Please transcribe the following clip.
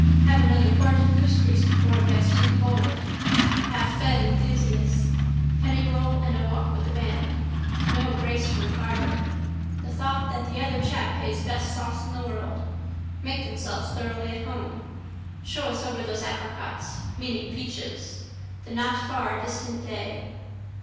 Have another quart of goosegrease before it gets too cold. Halffed enthusiasts. Penny roll and a walk with the band. No grace for the carver. The thought that the other chap pays best sauce in the world. Make themselves thoroughly at home. Show us over those apricots, meaning peaches. The not far distant day.